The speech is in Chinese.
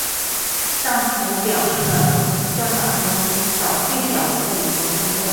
上图表示了算法中找最小值的一个步骤。